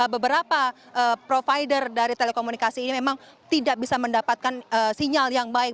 beberapa provider dari telekomunikasi ini memang tidak bisa mendapatkan sinyal yang baik